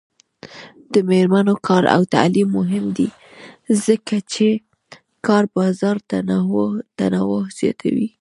د میرمنو کار او تعلیم مهم دی ځکه چې کار بازار تنوع زیاتوي.